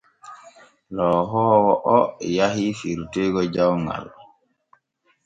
Lohoowo o yahi firtoygo jawŋal.